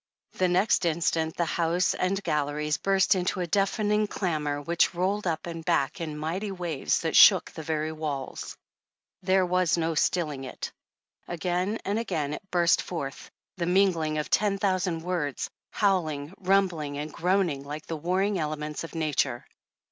The next instant the House and galleries burst into a deafening clamor which rolled up and back in mighty waves that shook the very walls. There was no still ing it. Again and again it burst forth, the mingl ing of ten thousand words, howling, rumbling and groaning like the warring elements of nature.